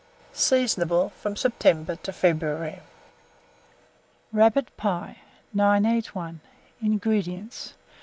Seasonable from September to February. RABBIT PIE. 981. INGREDIENTS.